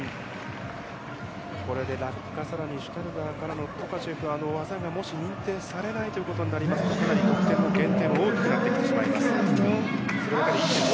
これで落下、更にシュタルダーからのトカチェフの技がもし認定されないことになりますと得点の減点も大きくなってしまいます。